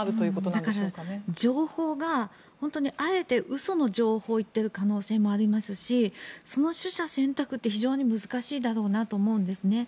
だから情報が本当にあえて嘘の情報を言っている可能性もありますしその取捨選択って非常に難しいだろうなと思うんです。